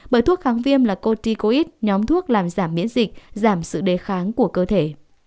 bởi thuốc kháng viêm là coticoid nhóm thuốc làm giảm miễn dịch giảm sự đề kháng của cơ thể